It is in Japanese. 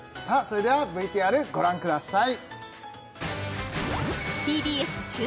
それではＶＴＲご覧ください